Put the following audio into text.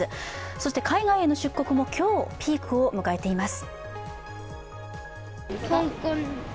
そして海外への出国も今日ピークを迎えています。